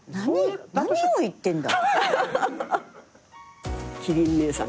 何を言ってんだ。